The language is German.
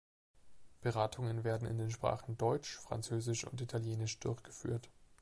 Beratungen werden in den Sprachen Deutsch, Französisch und Italienisch durchgeführt.